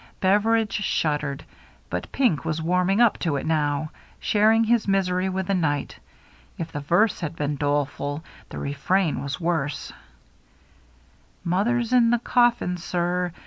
Beveridge shuddered. But Pink was warm ing up to it now, sharing his misery with the night. If the verse had been doleful, the refrain was worse :—Mother's in the coffim, sir.